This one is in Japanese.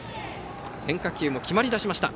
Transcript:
変化球も決まり出しました。